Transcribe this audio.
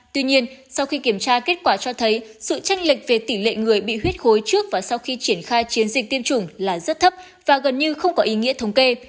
tuy nhiên sau khi kiểm tra kết quả cho thấy sự tranh lệch về tỷ lệ người bị huyết khối trước và sau khi triển khai chiến dịch tiêm chủng là rất thấp và gần như không có ý nghĩa thống kê